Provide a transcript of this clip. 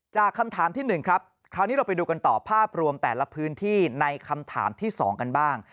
คำถามที่๑ครับคราวนี้เราไปดูกันต่อภาพรวมแต่ละพื้นที่ในคำถามที่๒กันบ้าง